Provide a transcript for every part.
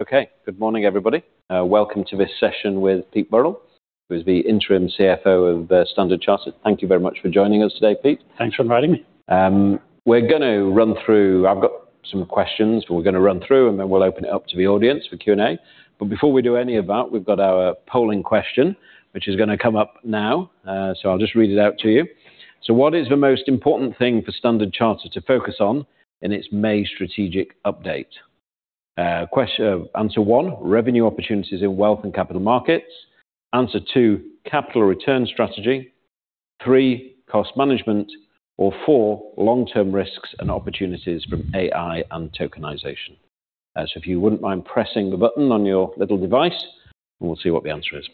Okay. Good morning, everybody. Welcome to this session with Pete Burrill, who is the Interim CFO of Standard Chartered. Thank you very much for joining us today, Pete. Thanks for inviting me. I've got some questions we're gonna run through, and then we'll open it up to the audience for Q&A. Before we do any of that, we've got our polling question, which is gonna come up now. I'll just read it out to you. What is the most important thing for Standard Chartered to focus on in its May strategic update? Answer one, revenue opportunities in wealth and capital markets. Answer two, capital return strategy. Three, cost management. Or four, long-term risks and opportunities from AI and tokenization. If you wouldn't mind pressing the button on your little device, and we'll see what the answer is.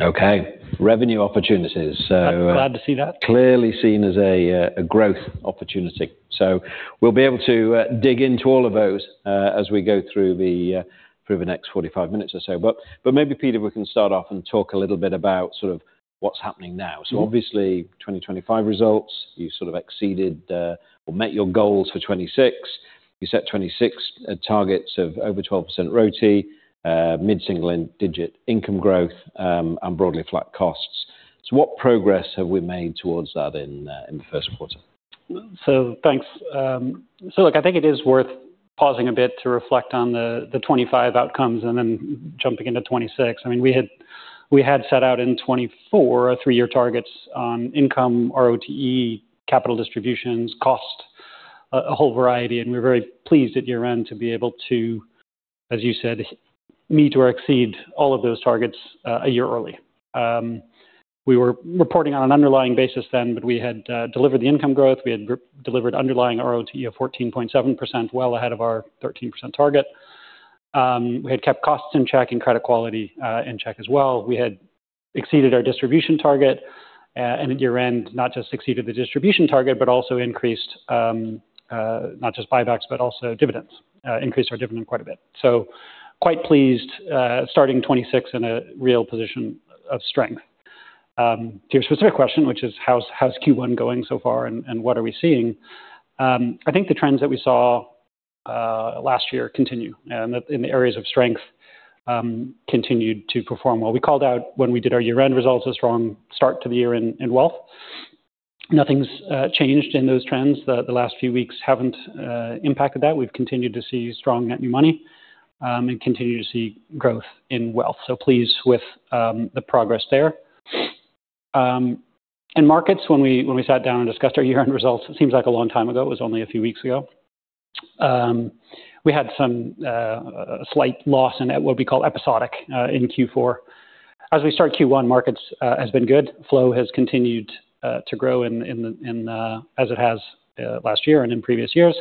Okay. Revenue opportunities, so- I'm glad to see that. Clearly seen as a growth opportunity. We'll be able to dig into all of those as we go through the next 45 minutes or so. Maybe, Pete, we can start off and talk a little bit about sort of what's happening now. Mm-hmm. Obviously, 2025 results, you sort of exceeded or met your goals for 2026. You set 2026 targets of over 12% ROTE, mid-single digit income growth, and broadly flat costs. What progress have we made towards that in the first quarter? Thanks. Look, I think it is worth pausing a bit to reflect on the 2025 outcomes and then jumping into 2026. I mean, we had set out in 2024 three-year targets on income, ROTE, capital distributions, cost, a whole variety, and we're very pleased at year-end to be able to, as you said, meet or exceed all of those targets a year early. We were reporting on an underlying basis then, but we had delivered the income growth, we had delivered underlying ROTE of 14.7%, well ahead of our 13% target. We had kept costs in check and credit quality in check as well. We had exceeded our distribution target, and at year-end, not just exceeded the distribution target, but also increased, not just buybacks, but also dividends. Increased our dividend quite a bit. Quite pleased, starting 2026 in a real position of strength. To your specific question, which is how's Q1 going so far and what are we seeing, I think the trends that we saw last year continue. In the areas of strength, continued to perform well. We called out when we did our year-end results, a strong start to the year in wealth. Nothing's changed in those trends. The last few weeks haven't impacted that. We've continued to see strong net new money and continue to see growth in wealth. Pleased with the progress there. Markets, when we sat down and discussed our year-end results, it seems like a long time ago. It was only a few weeks ago. We had some slight loss in that what we call episodic in Q4. As we start Q1, markets has been good. Flow has continued to grow as it has last year and in previous years.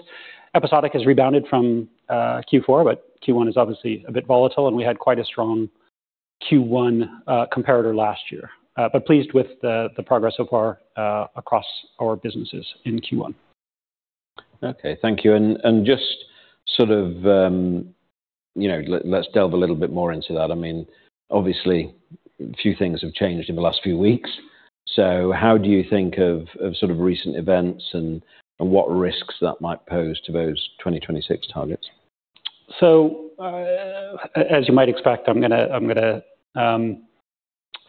Episodic has rebounded from Q4, but Q1 is obviously a bit volatile, and we had quite a strong Q1 comparator last year. Pleased with the progress so far across our businesses in Q1. Okay. Thank you. Just sort of, you know, let's delve a little bit more into that. I mean, obviously, a few things have changed in the last few weeks. How do you think of sort of recent events and what risks that might pose to those 2026 targets? As you might expect, I'm gonna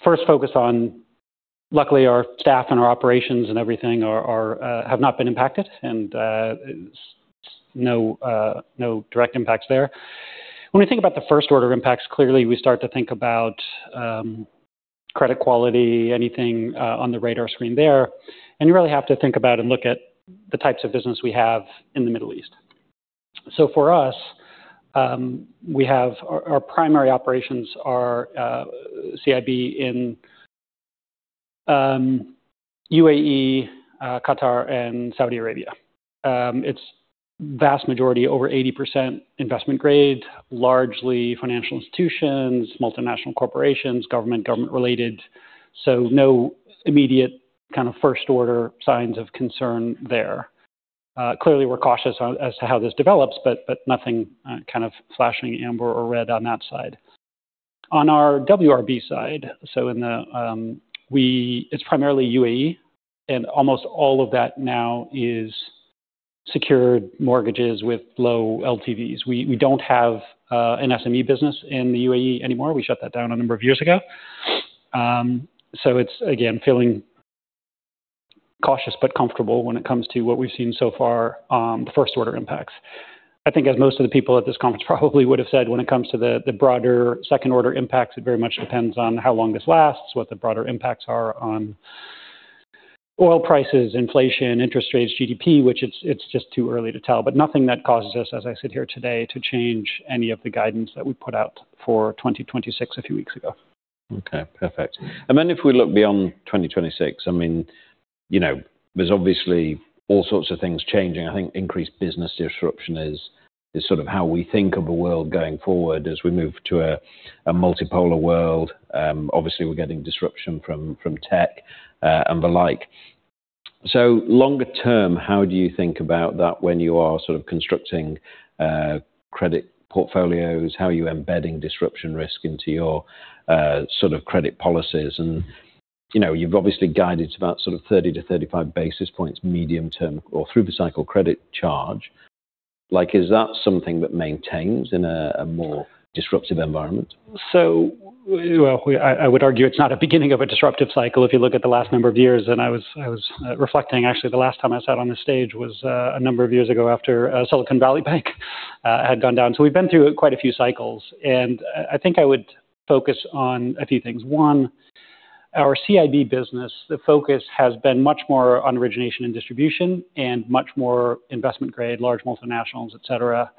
first focus on luckily, our staff and our operations and everything have not been impacted and no direct impacts there. When we think about the first order impacts, clearly we start to think about credit quality, anything on the radar screen there, and you really have to think about and look at the types of business we have in the Middle East. For us, we have our primary operations are CIB in UAE, Qatar, and Saudi Arabia. It's vast majority, over 80% investment grade, largely financial institutions, multinational corporations, government-related. No immediate kind of first order signs of concern there. Clearly we're cautious as to how this develops, but nothing kind of flashing amber or red on that side. On our WRB side, it's primarily UAE, and almost all of that now is secured mortgages with low Loan-to-Value. We don't have an SME business in the UAE anymore. We shut that down a number of years ago. It's again feeling cautious but comfortable when it comes to what we've seen so far, the first order impacts. I think as most of the people at this conference probably would've said, when it comes to the broader second order impacts, it very much depends on how long this lasts, what the broader impacts are on oil prices, inflation, interest rates, GDP, which it's just too early to tell. But nothing that causes us, as I sit here today, to change any of the guidance that we put out for 2026 a few weeks ago. Okay. Perfect. Then if we look beyond 2026, I mean, you know, there's obviously all sorts of things changing. I think increased business disruption is sort of how we think of a world going forward as we move to a multipolar world. Obviously we're getting disruption from tech and the like. Longer term, how do you think about that when you are sort of constructing credit portfolios? How are you embedding disruption risk into your sort of credit policies? And, you know, you've obviously guided about sort of 30-35 basis points medium-term or through the cycle credit charge. Like, is that something that maintains in a more disruptive environment? Well, I would argue it's not a beginning of a disruptive cycle if you look at the last number of years. I was reflecting actually, the last time I sat on this stage was a number of years ago after Silicon Valley Bank had gone down. We've been through quite a few cycles, and I think I would focus on a few things. One, our CIB business, the focus has been much more on origination and distribution and much more investment grade, large multinationals, et cetera.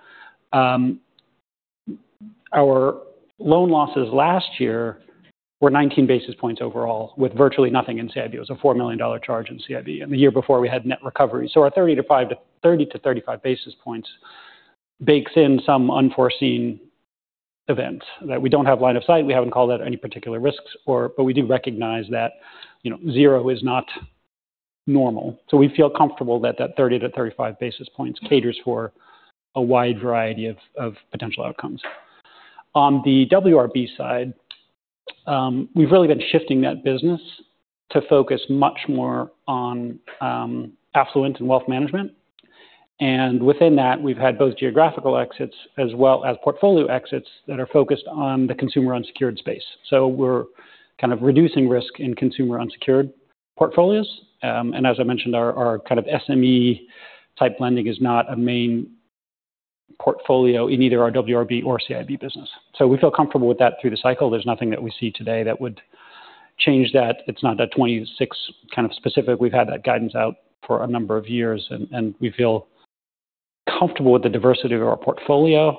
Our loan losses last year were 19 basis points overall, with virtually nothing in CIB. It was a $4 million charge in CIB. The year before we had net recovery. Our 30-35 basis points bakes in some unforeseen events that we don't have line of sight. We haven't called out any particular risks but we do recognize that, you know, zero is not normal. We feel comfortable that that 30-35 basis points caters for a wide variety of potential outcomes. On the WRB side, we've really been shifting that business to focus much more on affluent and wealth management. Within that, we've had both geographical exits as well as portfolio exits that are focused on the consumer unsecured space. We're kind of reducing risk in consumer unsecured portfolios. As I mentioned, our kind of SME type lending is not a main portfolio in either our WRB or CIB business. We feel comfortable with that through the cycle. There's nothing that we see today that would change that. It's not that 2026 kind of specific. We've had that guidance out for a number of years, and we feel comfortable with the diversity of our portfolio.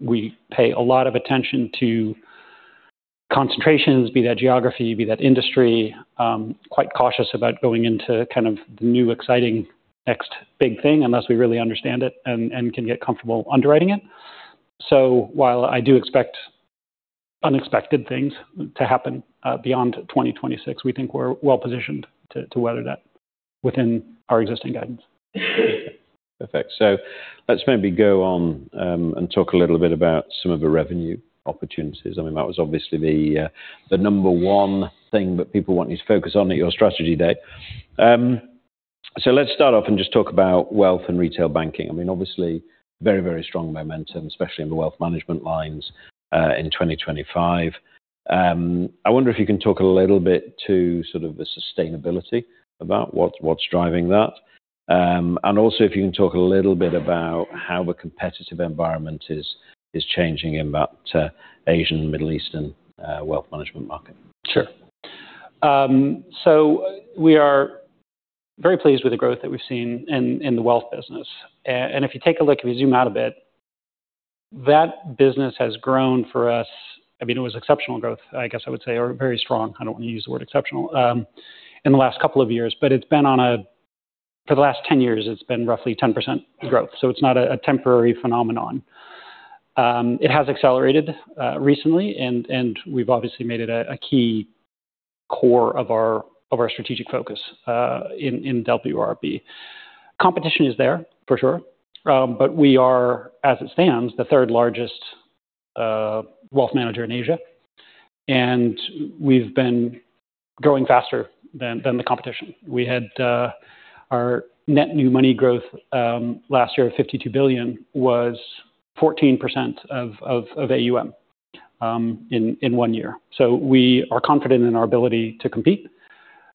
We pay a lot of attention to concentrations, be that geography, be that industry, quite cautious about going into kind of the new, exciting next big thing unless we really understand it and can get comfortable underwriting it. While I do expect unexpected things to happen, beyond 2026, we think we're well-positioned to weather that within our existing guidance. Perfect. Let's maybe go on and talk a little bit about some of the revenue opportunities. I mean, that was obviously the number one thing that people want you to focus on at your strategy day. Let's start off and just talk about wealth and retail banking. I mean, obviously very, very strong momentum, especially in the wealth management lines, in 2025. I wonder if you can talk a little bit to sort of the sustainability about what's driving that. Also if you can talk a little bit about how the competitive environment is changing in that Asian, Middle Eastern wealth management market. Sure, we are very pleased with the growth that we've seen in the wealth business. If you take a look, if you zoom out a bit, that business has grown for us. I mean, it was exceptional growth, I guess I would say, or very strong. I don't want to use the word exceptional in the last couple of years. It's been for the last 10 years, it's been roughly 10% growth, so it's not a temporary phenomenon. It has accelerated recently and we've obviously made it a key core of our strategic focus in WRB. Competition is there for sure. We are, as it stands, the third largest wealth manager in Asia, and we've been growing faster than the competition. We had our net new money growth last year of $52 billion was 14% of AUM in one year. We are confident in our ability to compete.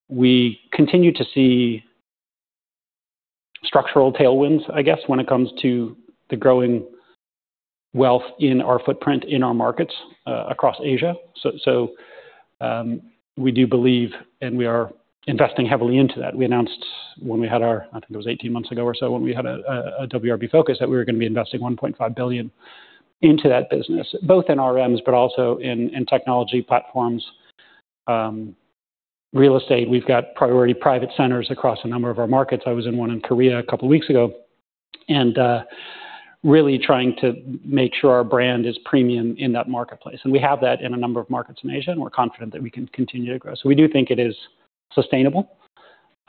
We continue to see structural tailwinds, I guess, when it comes to the growing wealth in our footprint in our markets across Asia. We do believe and we are investing heavily into that. We announced when we had our I think it was 18 months ago or so when we had a WRB focus that we were gonna be investing $1.5 billion into that business, both in RMs but also in technology platforms, real estate. We've got Priority Private centers across a number of our markets. I was in one in Korea a couple of weeks ago. Really trying to make sure our brand is premium in that marketplace. We have that in a number of markets in Asia, and we're confident that we can continue to grow. We do think it is sustainable.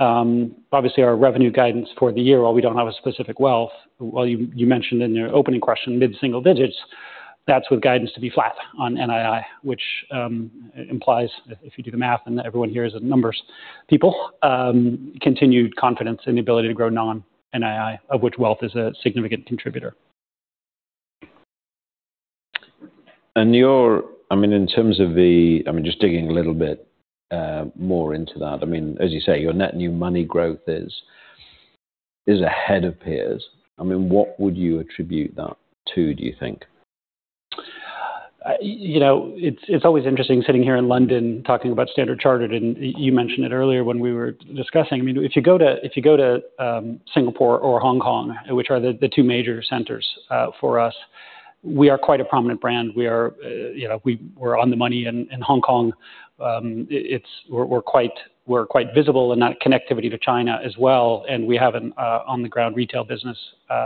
Obviously, our revenue guidance for the year, while we don't have a specific wealth, while you mentioned in your opening question mid-single digits, that's with guidance to be flat on NII, which implies if you do the math and everyone here is a numbers people, continued confidence in the ability to grow non-NII, of which wealth is a significant contributor. I mean, in terms of, I mean, just digging a little bit more into that. I mean, as you say, your net new money growth is ahead of peers. I mean, what would you attribute that to, do you think? You know, it's always interesting sitting here in London talking about Standard Chartered, and you mentioned it earlier when we were discussing. I mean, if you go to Singapore or Hong Kong, which are the two major centers for us, we are quite a prominent brand. We are, you know, we're on the money in Hong Kong. It's. We're quite visible in that connectivity to China as well, and we have a on-the-ground retail business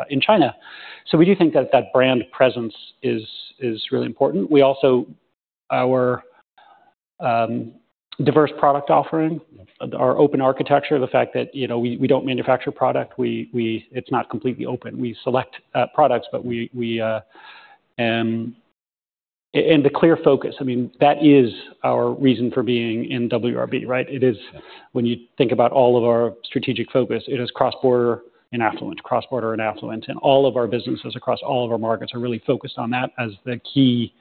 in China. We do think that brand presence is really important. We also, our diverse product offering, our open architecture, the fact that, you know, we don't manufacture product. It's not completely open. We select products, but we and the clear focus. I mean, that is our reason for being in WRB, right? It is. When you think about all of our strategic focus, it is cross-border and affluent, cross-border and affluent. All of our businesses across all of our markets are really focused on that as the key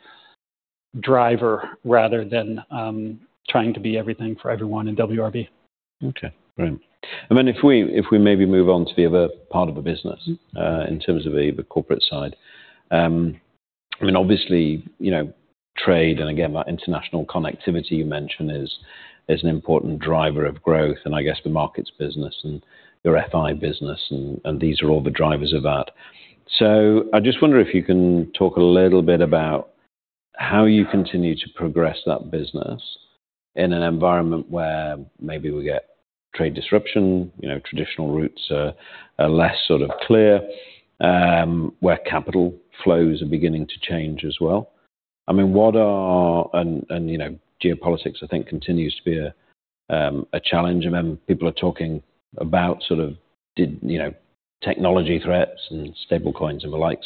driver, rather than trying to be everything for everyone in WRB. Okay, great. If we maybe move on to the other part of the business. Mm-hmm. In terms of the corporate side. I mean, obviously, you know, trade and again that international connectivity you mentioned is an important driver of growth, and I guess the markets business and your FI business and these are all the drivers of that. I just wonder if you can talk a little bit about how you continue to progress that business in an environment where maybe we get trade disruption, you know, traditional routes are less sort of clear, where capital flows are beginning to change as well. I mean, you know, geopolitics, I think continues to be a challenge. I mean, people are talking about sort of technology threats and stablecoins and the like.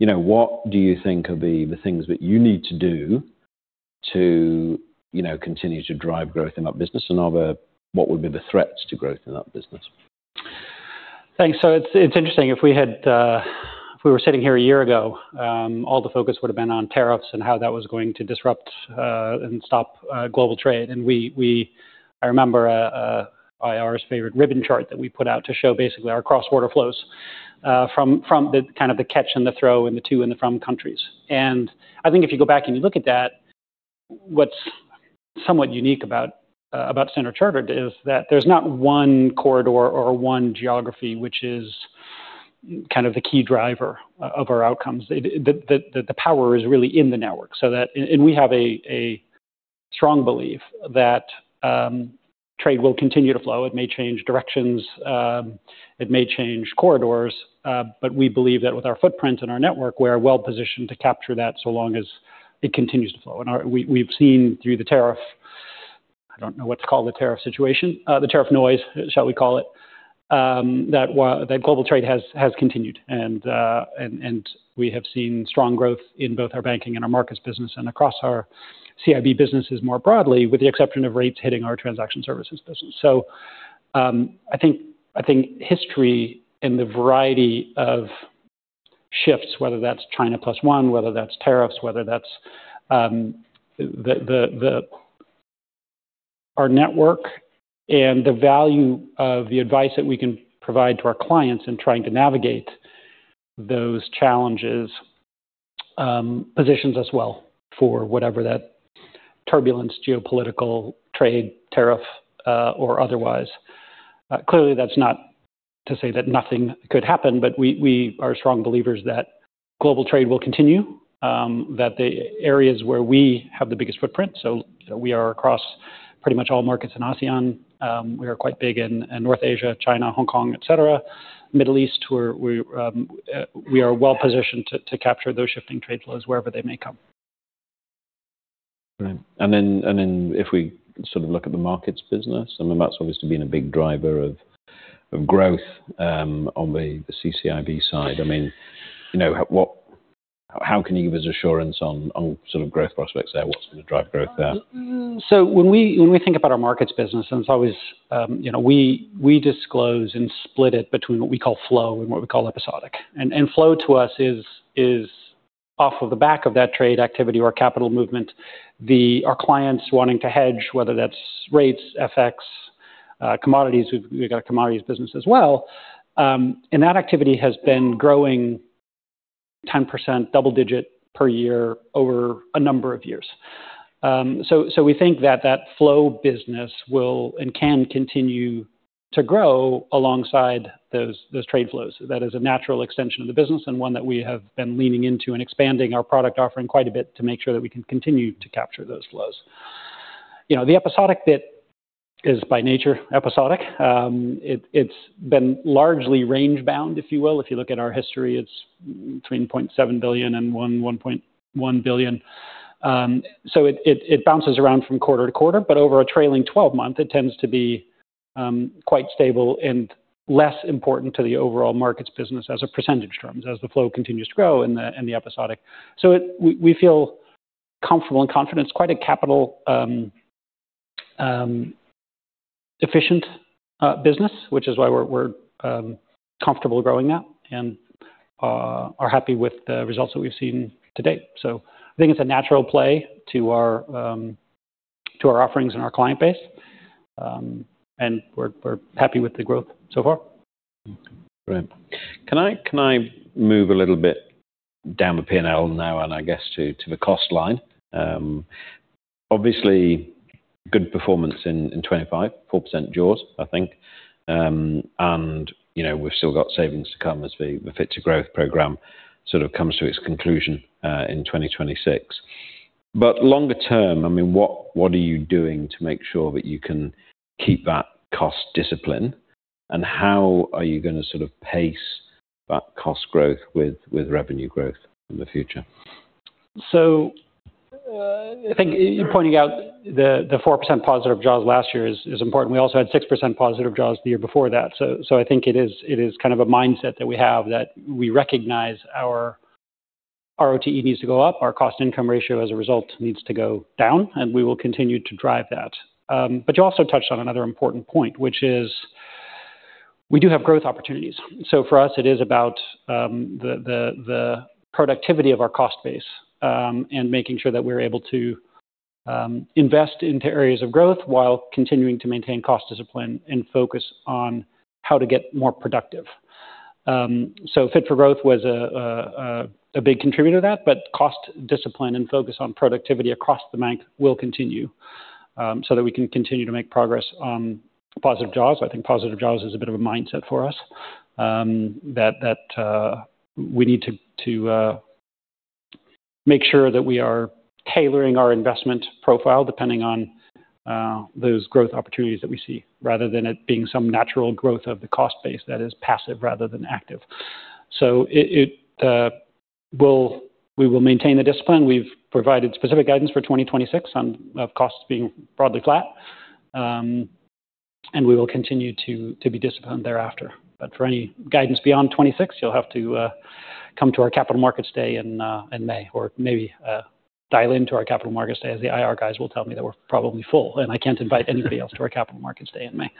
You know, what do you think are the things that you need to do to, you know, continue to drive growth in that business? What would be the threats to growth in that business? Thanks. It's interesting. If we were sitting here a year ago, all the focus would've been on tariffs and how that was going to disrupt and stop global trade. I remember IR's favorite ribbon chart that we put out to show basically our cross-border flows from the kind of the catch and the throw and the to and the from countries. I think if you go back and you look at that, what's somewhat unique about Standard Chartered is that there's not one corridor or one geography, which is kind of the key driver of our outcomes. The power is really in the network. We have a strong belief that trade will continue to flow. It may change directions, it may change corridors, but we believe that with our footprint and our network, we're well-positioned to capture that so long as it continues to flow. We've seen through the tariff, I don't know what to call the tariff situation, the tariff noise, shall we call it, that global trade has continued. We have seen strong growth in both our banking and our markets business and across our CIB businesses more broadly, with the exception of rates hitting our transaction services business. I think history and the variety of shifts, whether that's China plus one, whether that's tariffs, whether that's the. Our network and the value of the advice that we can provide to our clients in trying to navigate those challenges positions us well for whatever that turbulence, geopolitical trade, tariff, or otherwise. Clearly, that's not to say that nothing could happen, but we are strong believers that global trade will continue, that the areas where we have the biggest footprint, so we are across pretty much all markets in ASEAN. We are quite big in North Asia, China, Hong Kong, et cetera. Middle East, we're well-positioned to capture those shifting trade flows wherever they may come. Right. If we sort of look at the markets business, I mean, that's obviously been a big driver of growth on the CCIB side. I mean, you know, how can you give us assurance on sort of growth prospects there? What's gonna drive growth there? When we think about our markets business, and it's always, you know, we disclose and split it between what we call flow and what we call episodic. Flow to us is off of the back of that trade activity or capital movement. Our clients wanting to hedge, whether that's rates, FX, commodities. We've got a commodities business as well. That activity has been growing 10%, double-digit per year over a number of years. We think that flow business will and can continue to grow alongside those trade flows. That is a natural extension of the business and one that we have been leaning into and expanding our product offering quite a bit to make sure that we can continue to capture those flows. You know, the episodic bit is by nature episodic. It's been largely range bound, if you will. If you look at our history, it's between $0.7 billion and $1.1 billion. So it bounces around from quarter to quarter, but over a trailing twelve-month, it tends to be quite stable and less important to the overall markets business in percentage terms as the flow continues to grow and the episodic. So it. We feel comfortable and confident. It's quite a capital efficient business, which is why we're comfortable growing that and are happy with the results that we've seen to date. So I think it's a natural play to our offerings and our client base. We're happy with the growth so far. Brilliant. Can I move a little bit down the P&L now and I guess to the cost line? Obviously, good performance in 2025, 4% jaws, I think. You know, we've still got savings to come as the Fit for Growth program sort of comes to its conclusion in 2026. Longer term, I mean, what are you doing to make sure that you can keep that cost discipline? How are you gonna sort of pace cost growth with revenue growth in the future. I think you're pointing out the 4% positive jaws last year is important. We also had 6% positive jaws the year before that. I think it is kind of a mindset that we have, that we recognize our ROTE needs to go up, our cost-to-income ratio as a result needs to go down, and we will continue to drive that. You also touched on another important point, which is we do have growth opportunities. For us it is about the productivity of our cost base, and making sure that we're able to invest into areas of growth while continuing to maintain cost discipline and focus on how to get more productive. Fit for Growth was a big contributor to that, but cost discipline and focus on productivity across the bank will continue so that we can continue to make progress on positive jaws. I think positive jaws is a bit of a mindset for us, that we need to make sure that we are tailoring our investment profile depending on those growth opportunities that we see, rather than it being some natural growth of the cost base that is passive rather than active. We will maintain the discipline. We've provided specific guidance for 2026 on costs being broadly flat. We will continue to be disciplined thereafter. For any guidance beyond 2026, you'll have to come to our Capital Markets Day in May, or maybe dial into our Capital Markets Day, as the IR guys will tell me that we're probably full, and I can't invite anybody else to our Capital Markets Day in May.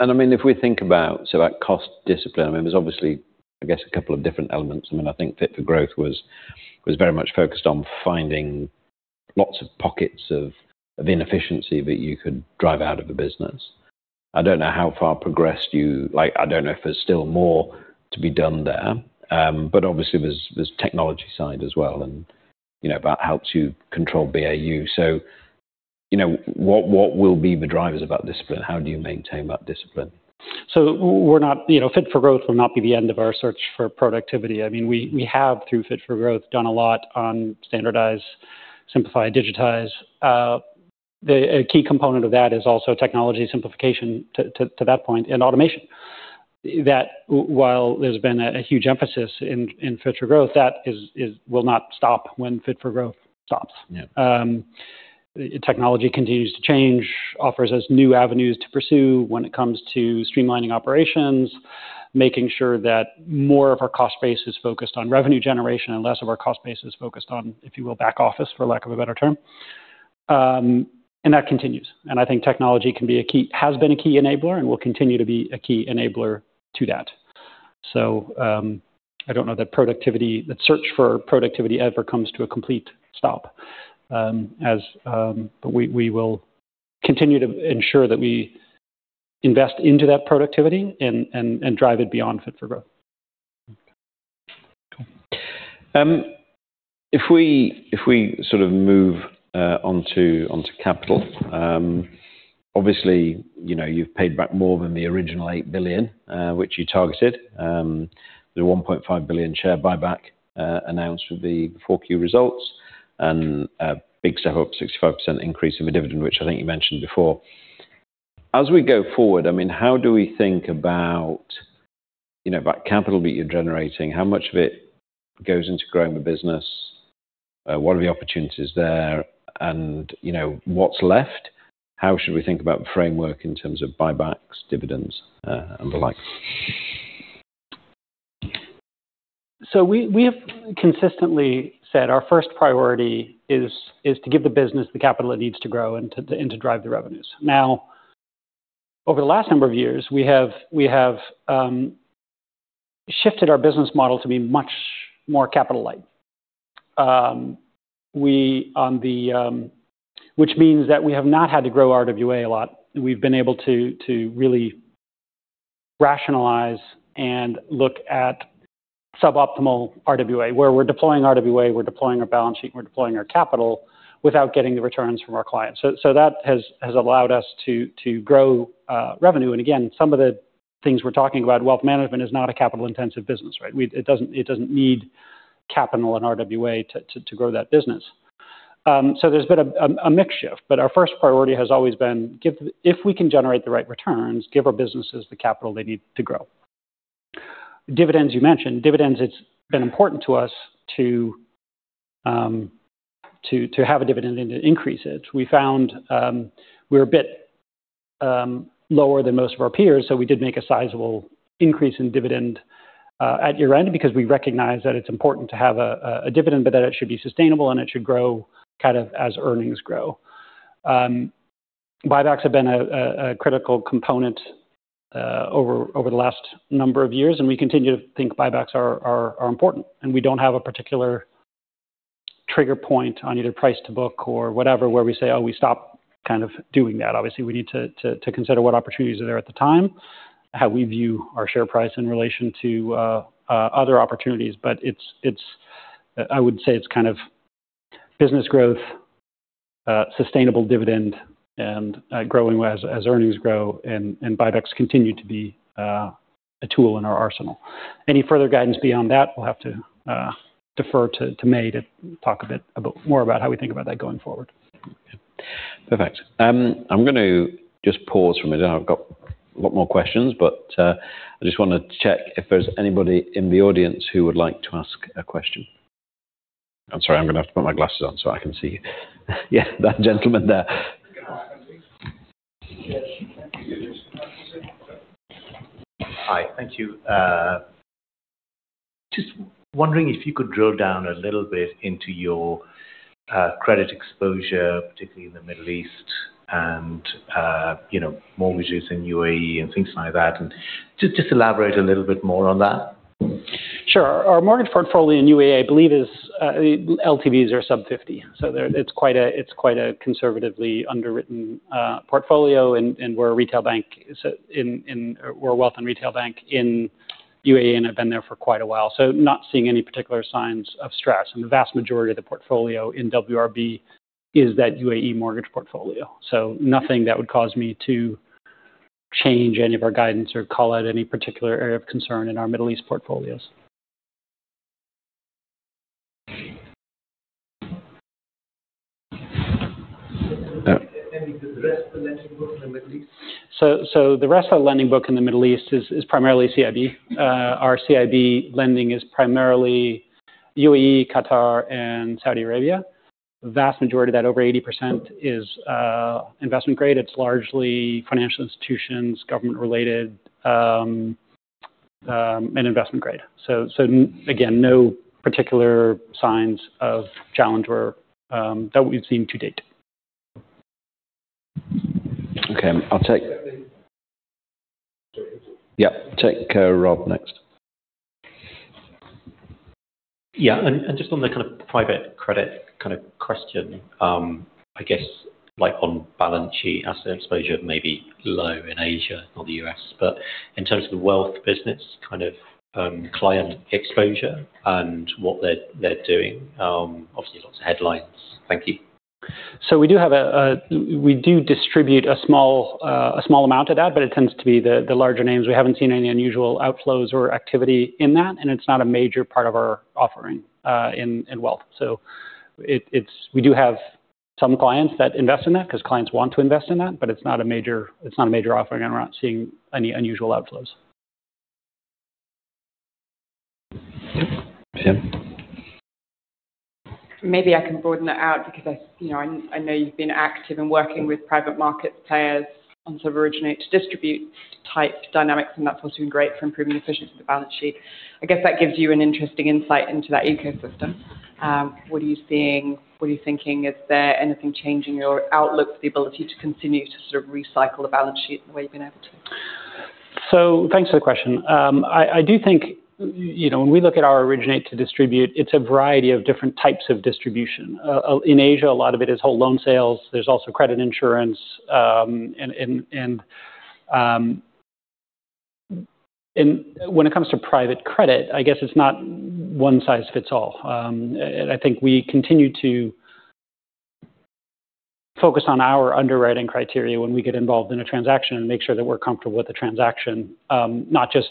I mean, if we think about so about cost discipline, I mean, there's obviously, I guess, a couple of different elements. I mean, I think Fit for Growth was very much focused on finding lots of pockets of inefficiency that you could drive out of a business. Like, I don't know if there's still more to be done there. But obviously there's technology side as well and, you know, about how to control BAU. You know, what will be the drivers of that discipline? How do you maintain that discipline? We're not, you know, Fit for Growth will not be the end of our search for productivity. I mean, we have, through Fit for Growth, done a lot on standardize, simplify, digitize. A key component of that is also technology simplification to that point and automation. That while there's been a huge emphasis in Fit for Growth, that is will not stop when Fit for Growth stops. Yeah. Technology continues to change, offers us new avenues to pursue when it comes to streamlining operations, making sure that more of our cost base is focused on revenue generation and less of our cost base is focused on, if you will, back office, for lack of a better term. That continues. I think technology can be a key, has been a key enabler and will continue to be a key enabler to that. I don't know that productivity, that search for productivity ever comes to a complete stop, as we will continue to ensure that we invest into that productivity and drive it beyond Fit for Growth. If we sort of move onto capital, obviously, you know, you've paid back more than the original $8 billion, which you targeted. The $1.5 billion share buyback, announced with the 4Q results and big step up, 65% increase in the dividend, which I think you mentioned before. As we go forward, I mean, how do we think about, you know, about capital that you're generating, how much of it goes into growing the business? What are the opportunities there? You know, what's left? How should we think about the framework in terms of buybacks, dividends, and the like? We have consistently said our first priority is to give the business the capital it needs to grow and to drive the revenues. Now, over the last number of years, we have shifted our business model to be much more capital light, which means that we have not had to grow RWA a lot. We've been able to really rationalize and look at suboptimal RWA. Where we're deploying RWA, we're deploying our balance sheet, we're deploying our capital without getting the returns from our clients. So that has allowed us to grow revenue. And again, some of the things we're talking about, wealth management is not a capital-intensive business, right? It doesn't need capital and RWA to grow that business. There's been a mix shift, but our first priority has always been if we can generate the right returns, give our businesses the capital they need to grow. Dividends, you mentioned. Dividends, it's been important to us to have a dividend and to increase it. We found, we're a bit lower than most of our peers, so we did make a sizable increase in dividend at year-end because we recognize that it's important to have a dividend, but that it should be sustainable and it should grow kind of as earnings grow. Buybacks have been a critical component over the last number of years, and we continue to think buybacks are important. We don't have a particular trigger point on either price to book or whatever, where we say, "Oh, we stop kind of doing that." Obviously, we need to consider what opportunities are there at the time, how we view our share price in relation to other opportunities. But it's I would say it's kind of business growth, sustainable dividend, and growing as earnings grow, and buybacks continue to be a tool in our arsenal. Any further guidance beyond that, we'll have to defer to May to talk a bit more about how we think about that going forward. Perfect. I'm gonna just pause for a minute. I've got a lot more questions, but I just wanna check if there's anybody in the audience who would like to ask a question. I'm sorry, I'm gonna have to put my glasses on so I can see you. Yeah, that gentleman there. Hi. Thank you. Just wondering if you could drill down a little bit into your credit exposure, particularly in the Middle East and you know, mortgages in UAE and things like that, and just elaborate a little bit more on that. Sure. Our mortgage portfolio in UAE, I believe, is LTV are sub 50. It's quite a conservatively underwritten portfolio, and we're a retail bank. We're a wealth and retail bank in UAE, and have been there for quite a while. Not seeing any particular signs of stress. The vast majority of the portfolio in WRB is that UAE mortgage portfolio. Nothing that would cause me to change any of our guidance or call out any particular area of concern in our Middle East portfolios. The rest of the lending book in the Middle East is primarily CIB. Our CIB lending is primarily UAE, Qatar, and Saudi Arabia. The vast majority of that, over 80% is investment grade. It's largely financial institutions, government-related, and investment grade. Again, no particular signs of challenge or that we've seen to date. Okay. Yeah, take Rob next. Yeah. Just on the kind of private credit kind of question, I guess like on balance sheet asset exposure may be low in Asia or the U.S., but in terms of the wealth business kind of, client exposure and what they're doing, obviously lots of headlines. Thank you. We distribute a small amount of that, but it tends to be the larger names. We haven't seen any unusual outflows or activity in that, and it's not a major part of our offering in wealth. We do have some clients that invest in that because clients want to invest in that, but it's not a major offering, and we're not seeing any unusual outflows. Yeah. Maybe I can broaden it out because I, you know, I know you've been active in working with private market players on sort of originate to distribute type dynamics, and that's also been great for improving the efficiency of the balance sheet. I guess that gives you an interesting insight into that ecosystem. What are you seeing? What are you thinking? Is there anything changing your outlook for the ability to continue to sort of recycle the balance sheet the way you've been able to? Thanks for the question. I do think, you know, when we look at our originate-to-distribute, it's a variety of different types of distribution. In Asia, a lot of it is whole loan sales. There's also credit insurance, and when it comes to private credit, I guess it's not one size fits all. I think we continue to focus on our underwriting criteria when we get involved in a transaction and make sure that we're comfortable with the transaction, not just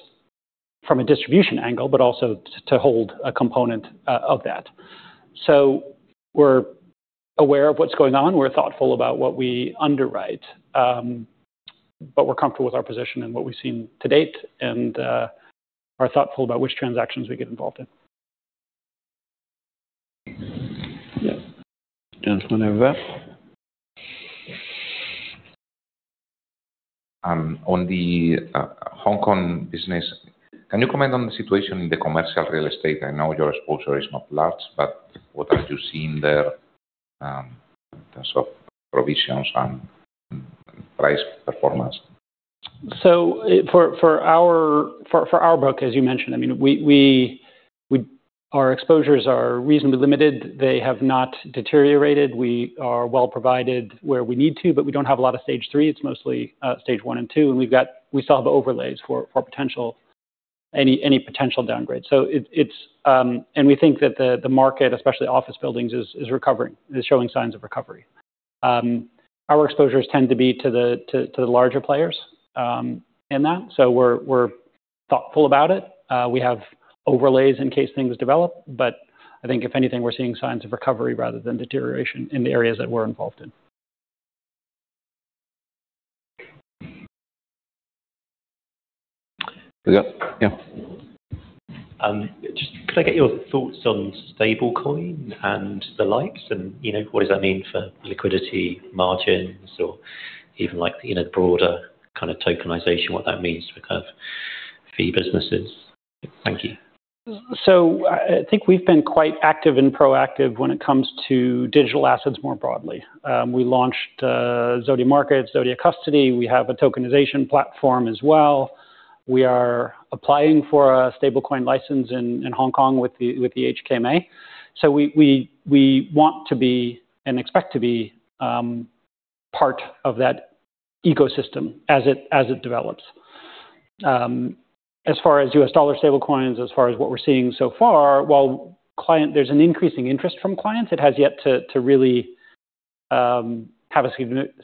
from a distribution angle, but also to hold a component of that. We're aware of what's going on. We're thoughtful about what we underwrite, but we're comfortable with our position and what we've seen to date and are thoughtful about which transactions we get involved in. Yeah. Gentleman over there. On the Hong Kong business, can you comment on the situation in the commercial real estate? I know your exposure is not large, but what are you seeing there, in terms of provisions and price performance? For our book, as you mentioned, I mean, our exposures are reasonably limited. They have not deteriorated. We are well provided where we need to, but we don't have a lot of Stage three. It's mostly Stage one and two. We still have overlays for any potential downgrade. We think that the market, especially office buildings, is recovering. It is showing signs of recovery. Our exposures tend to be to the larger players in that. We're thoughtful about it. We have overlays in case things develop, but I think if anything, we're seeing signs of recovery rather than deterioration in the areas that we're involved in. Yeah. Just, could I get your thoughts on Stablecoin and the likes and, you know, what does that mean for liquidity margins or even like, you know, broader kind of Tokenization, what that means for kind of fee businesses? Thank you. I think we've been quite active and proactive when it comes to digital assets more broadly. We launched Zodia Markets, Zodia Custody. We have a tokenization platform as well. We are applying for a stablecoin license in Hong Kong with the HKMA. We want to be and expect to be part of that ecosystem as it develops. As far as U.S. dollar stablecoins, as far as what we're seeing so far, while clients, there's an increasing interest from clients, it has yet to really have a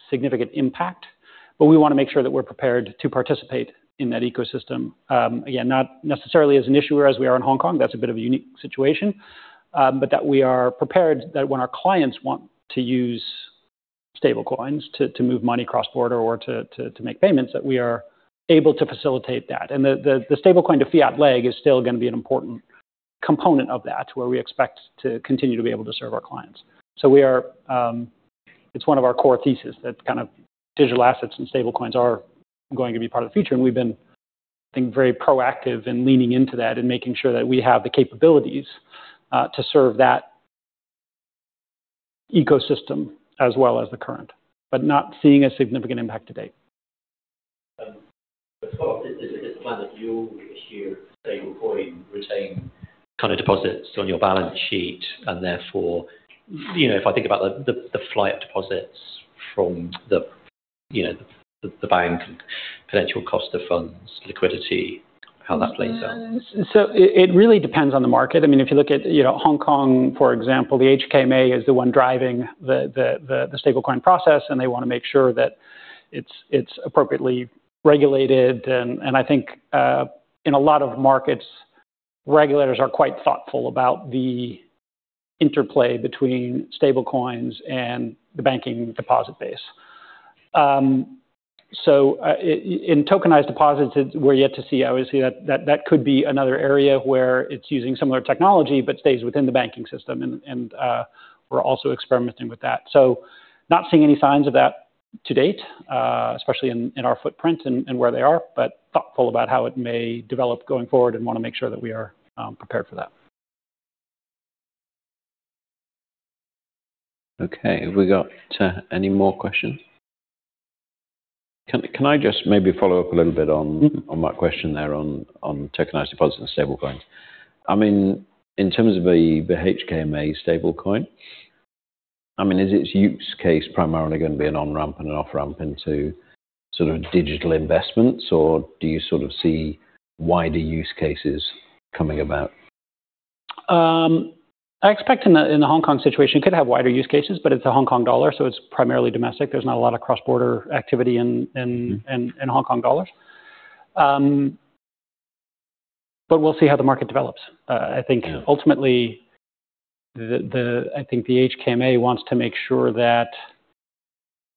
significant impact. We wanna make sure that we're prepared to participate in that ecosystem. Again, not necessarily as an issuer as we are in Hong Kong, that's a bit of a unique situation, but that we are prepared that when our clients want to use stablecoins to move money cross-border or to make payments, that we are able to facilitate that. The stablecoin to fiat leg is still gonna be an important component of that, where we expect to continue to be able to serve our clients. It's one of our core thesis, that kind of digital assets and stablecoins are going to be part of the future, and we've been, I think, very proactive in leaning into that and making sure that we have the capabilities to serve that ecosystem as well as the current. Not seeing a significant impact to date. Is it the plan that you'll have stablecoin retain kind of deposits on your balance sheet and therefore, you know, if I think about the flight to deposits from the bank potential cost of funds, liquidity, how that plays out? It really depends on the market. I mean, if you look at, you know, Hong Kong, for example, the HKMA is the one driving the stablecoin process, and they wanna make sure that it's appropriately regulated and I think in a lot of markets, regulators are quite thoughtful about the interplay between stablecoins and the banking deposit base. In tokenized deposits, we're yet to see. Obviously, that could be another area where it's using similar technology but stays within the banking system and we're also experimenting with that. Not seeing any signs of that to date, especially in our footprint and where they are, but thoughtful about how it may develop going forward and wanna make sure that we are prepared for that. Okay. Have we got any more questions? Can I just maybe follow up a little bit on. Mm-hmm. On my question there on tokenized deposits and stablecoins? I mean, in terms of the HKMA stablecoin, I mean, is its use case primarily gonna be an on-ramp and an off-ramp into sort of digital investments, or do you sort of see wider use cases coming about? I expect in the Hong Kong situation, it could have wider use cases, but it's a Hong Kong dollar, so it's primarily domestic. There's not a lot of cross-border activity in Hong Kong dollars. We'll see how the market develops. I think. Yeah. Ultimately, I think the HKMA wants to make sure that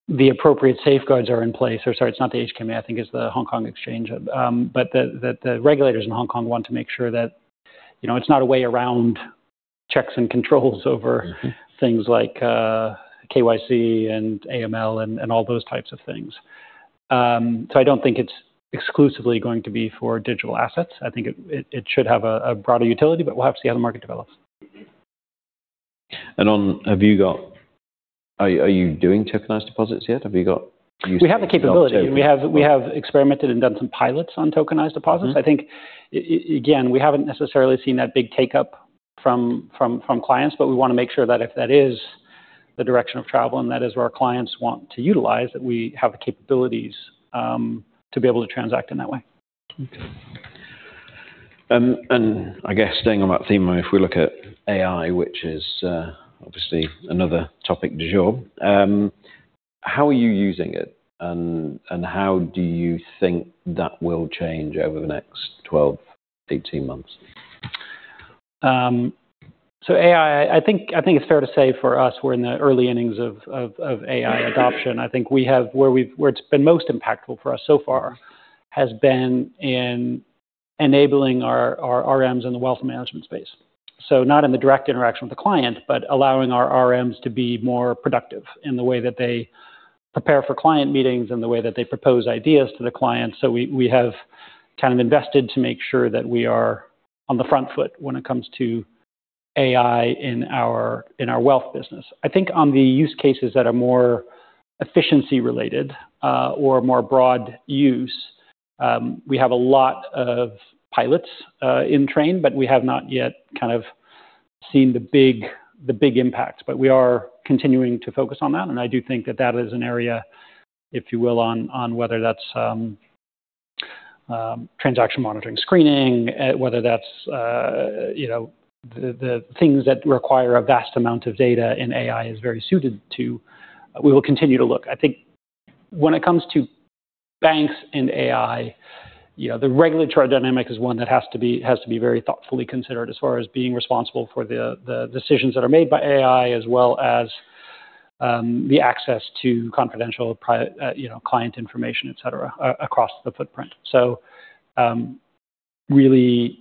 the appropriate safeguards are in place. Sorry, it's not the HKMA, I think it's the Hong Kong Exchange. The regulators in Hong Kong want to make sure that, you know, it's not a way around checks and controls over things like KYC and AML and all those types of things. I don't think it's exclusively going to be for digital assets. I think it should have a broader utility, but we'll have to see how the market develops. Are you doing tokenized deposits yet? Have you got use cases on token- We have the capability. We have experimented and done some pilots on tokenized deposits. Mm-hmm. I think again, we haven't necessarily seen that big take up from clients, but we wanna make sure that if that is the direction of travel and that is where our clients want to utilize, that we have the capabilities to be able to transact in that way. Okay. I guess staying on that theme, if we look at AI, which is obviously another topic du jour, how are you using it and how do you think that will change over the next 12, 18 months? AI, I think it's fair to say for us, we're in the early innings of AI adoption. I think where it's been most impactful for us so far has been in enabling our RMs in the wealth management space. Not in the direct interaction with the client, but allowing our RMs to be more productive in the way that they prepare for client meetings and the way that they propose ideas to the clients. We have kind of invested to make sure that we are on the front foot when it comes to AI in our wealth business. I think on the use cases that are more efficiency related, or more broad use, we have a lot of pilots in train, but we have not yet kind of seen the big impact. We are continuing to focus on that, and I do think that is an area, if you will, on whether that's transaction monitoring screening, whether that's, you know, the things that require a vast amount of data and AI is very suited to, we will continue to look. I think when it comes to banks and AI, you know, the regulatory dynamic is one that has to be very thoughtfully considered as far as being responsible for the decisions that are made by AI, as well as the access to confidential client information, you know, et cetera, across the footprint. Really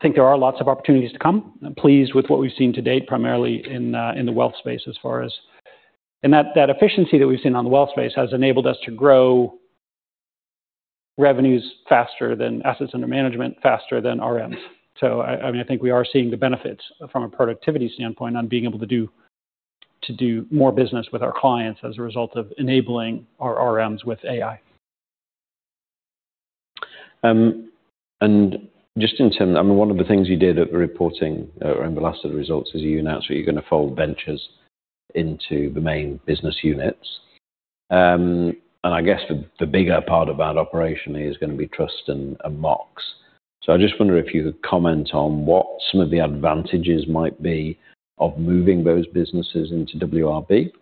think there are lots of opportunities to come. I'm pleased with what we've seen to date, primarily in the wealth space as far as that efficiency that we've seen on the wealth space has enabled us to grow revenues faster than assets under management, faster than RMs. I mean, I think we are seeing the benefits from a productivity standpoint on being able to do more business with our clients as a result of enabling our RMs with AI. I mean, one of the things you did at the reporting or in the last set of results is you announced that you're gonna fold ventures into the main business units. I guess the bigger part of that operation is gonna be Trust and Mox. So I just wonder if you could comment on what some of the advantages might be of moving those businesses into WRB.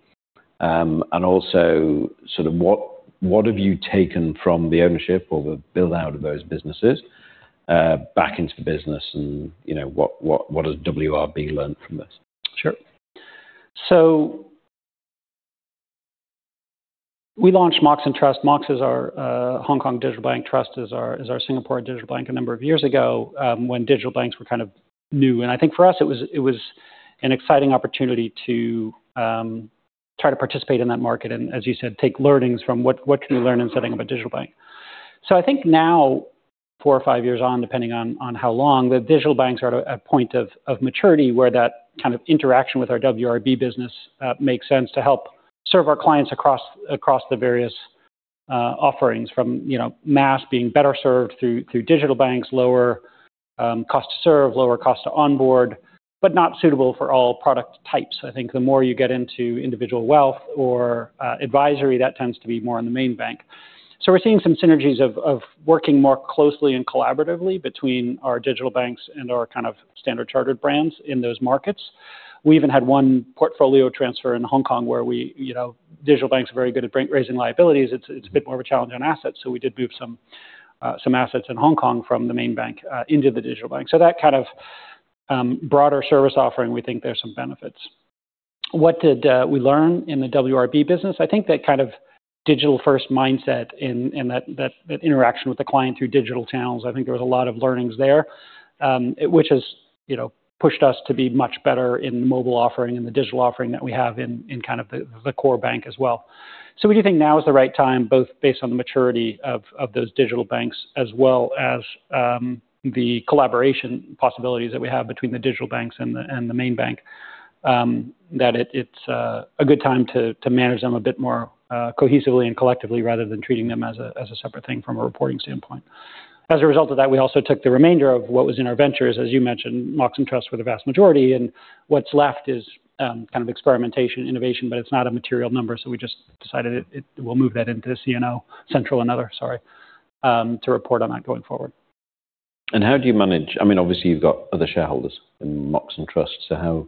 Also sort of what have you taken from the ownership or the build-out of those businesses back into the business and, you know, what has WRB learned from this? Sure. We launched Mox and Trust. Mox is our Hong Kong digital bank. Trust is our Singapore digital bank a number of years ago, when digital banks were kind of new. I think for us it was an exciting opportunity to try to participate in that market and, as you said, take learnings from what can we learn in setting up a digital bank. I think now four or five years on, depending on how long, the digital banks are at a point of maturity where that kind of interaction with our WRB business makes sense to help serve our clients across the various offerings from, you know, mass being better served through digital banks, lower cost to serve, lower cost to onboard, but not suitable for all product types. I think the more you get into individual wealth or advisory, that tends to be more in the main bank. We're seeing some synergies of working more closely and collaboratively between our digital banks and our kind of Standard Chartered brands in those markets. We even had one portfolio transfer in Hong Kong where we, you know, digital banks are very good at raising liabilities. It's a bit more of a challenge on assets. We did move some assets in Hong Kong from the main bank into the digital bank. That kind of broader service offering, we think there's some benefits. What did we learn in the WRB business? I think that kind of digital-first mindset in that interaction with the client through digital channels. I think there was a lot of learnings there, which has, you know, pushed us to be much better in the mobile offering and the digital offering that we have in kind of the core bank as well. We do think now is the right time, both based on the maturity of those digital banks, as well as the collaboration possibilities that we have between the digital banks and the main bank, that it's a good time to manage them a bit more cohesively and collectively rather than treating them as a separate thing from a reporting standpoint. As a result of that, we also took the remainder of what was in our ventures, as you mentioned, Mox and Trust were the vast majority, and what's left is kind of experimentation, innovation, but it's not a material number, so we just decided we'll move that into C&O, Central & Others, sorry, to report on that going forward. How do you manage, I mean, obviously, you've got other shareholders in Mox and Trust, so how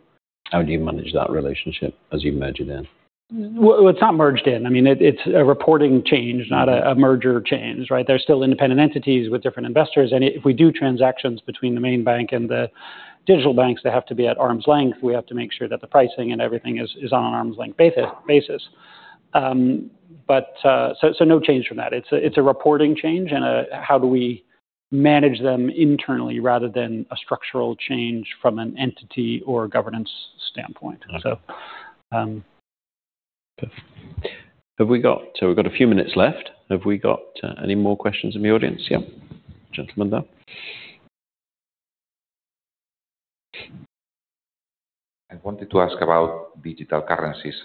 do you manage that relationship as you merge it in? Well, it's not merged in. I mean, it's a reporting change, not a merger change, right? They're still independent entities with different investors. If we do transactions between the main bank and the digital banks, they have to be at arm's length. We have to make sure that the pricing and everything is on an arm's length basis. No change from that. It's a reporting change and how we manage them internally rather than a structural change from an entity or governance standpoint. We've got a few minutes left. Have we got any more questions in the audience? Yeah. Gentleman there. I wanted to ask about digital currencies.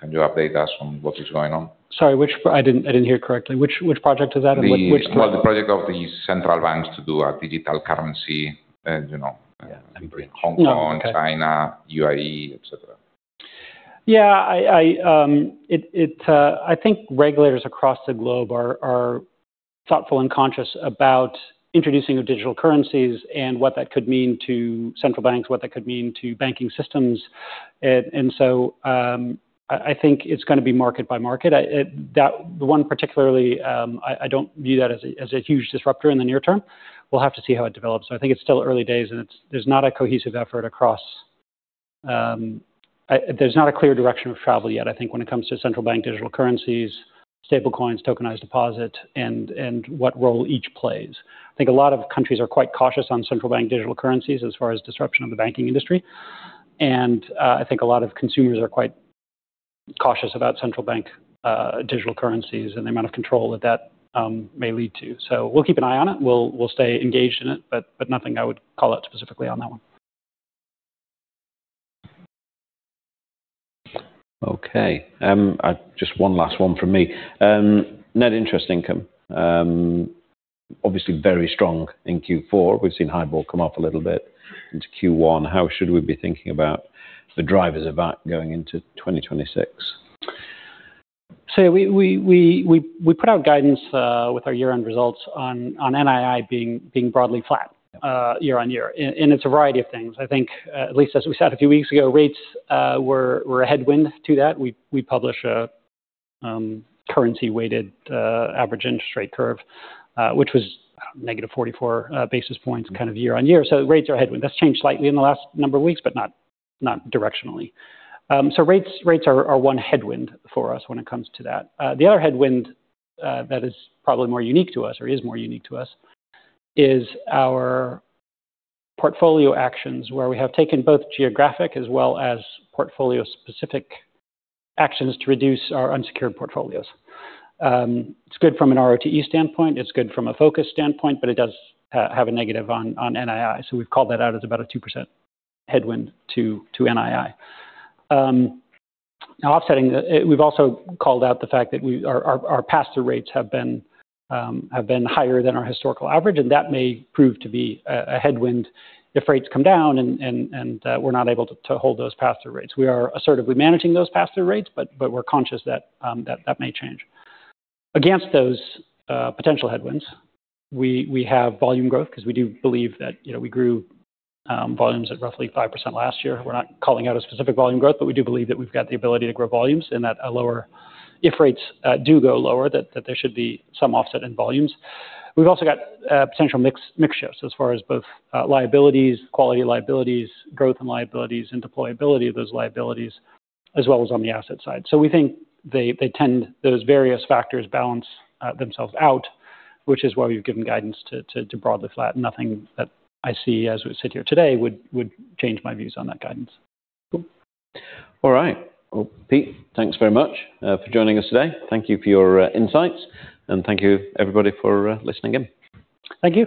Sorry, I didn't hear correctly. Which project is that and what? Well, the project of the central banks to do a digital currency, you know. Yeah. mBridge. Hong Kong Oh, okay. China, UAE, et cetera. Yeah. I think regulators across the globe are thoughtful and conscious about introducing digital currencies and what that could mean to central banks, what that could mean to banking systems. I think it's gonna be market by market. The one particularly, I don't view that as a huge disruptor in the near term. We'll have to see how it develops. I think it's still early days, and there's not a cohesive effort across. There's not a clear direction of travel yet, I think when it comes to central bank digital currency, stablecoins, tokenized deposit and what role each plays. I think a lot of countries are quite cautious on central bank digital currency as far as disruption of the banking industry. I think a lot of consumers are quite cautious about central bank digital currencies and the amount of control that may lead to. We'll keep an eye on it. We'll stay engaged in it, but nothing I would call out specifically on that one. Okay. Just one last one from me. Net interest income, obviously very strong in Q4. We've seen HIBOR come up a little bit into Q1. How should we be thinking about the drivers of that going into 2026? We put out guidance with our year-end results on NII being broadly flat year-on-year. It's a variety of things. I think at least as we said a few weeks ago, rates were a headwind to that. We publish a currency weighted average interest rate curve which was negative 44 basis points kind of year-on-year. Rates are a headwind. That's changed slightly in the last number of weeks, but not directionally. Rates are one headwind for us when it comes to that. The other headwind that is probably more unique to us or is more unique to us is our portfolio actions, where we have taken both geographic as well as portfolio specific actions to reduce our unsecured portfolios. It's good from a ROTE standpoint, it's good from a focus standpoint, but it does have a negative on NII. We've called that out as about a 2% headwind to NII. Offsetting, we've also called out the fact that our pass-through rates have been higher than our historical average, and that may prove to be a headwind if rates come down and we're not able to hold those pass-through rates. We are assertively managing those pass-through rates, but we're conscious that that may change. Against those potential headwinds, we have volume growth because we do believe that, you know, we grew volumes at roughly 5% last year. We're not calling out a specific volume growth, but we do believe that we've got the ability to grow volumes and that a lower if rates do go lower, there should be some offset in volumes. We've also got potential mix shifts as far as both liabilities, quality liabilities, growth in liabilities, and deployability of those liabilities, as well as on the asset side. We think those various factors balance themselves out, which is why we've given guidance to broadly flat. Nothing that I see as we sit here today would change my views on that guidance. Cool. All right. Well, Pete, thanks very much for joining us today. Thank you for your insights, and thank you everybody for listening in. Thank you.